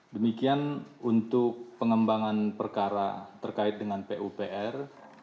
demikian untuk pengembangan perkara terkait dengan pupr